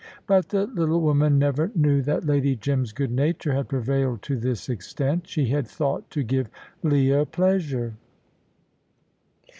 But the little woman never knew that Lady Jim's good nature had prevailed to this extent. She had thought to give Leah pleasure.